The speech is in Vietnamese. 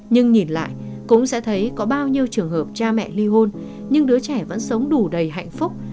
nhưng nhìn lại cũng sẽ thấy có bao nhiêu trường hợp cha mẹ ly hôn nhưng đứa trẻ vẫn sống đủ đầy hạnh phúc